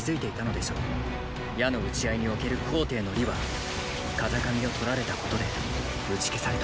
矢の射ち合いにおける高低の利は風上をとられたことで打ち消された。